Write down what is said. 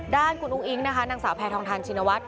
ด้านคุณอุ้งอิ๊งนะคะนางสาวแพทองทานชินวัฒน